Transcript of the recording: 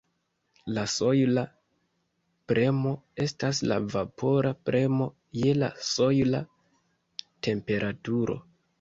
La sojla premo estas la vapora premo je la sojla temperaturo.